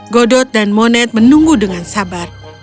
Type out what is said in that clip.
godot dan monet menunggu dengan sabar